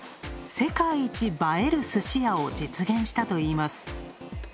世界一映える寿司屋を実現したといいます。